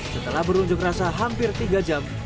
setelah berunjuk rasa hampir tiga jam